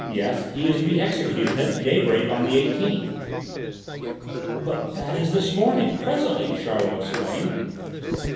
Yes, he is to be executed at daybreak on the eighteenth." "But that is this morning presently," Charlot exclaimed.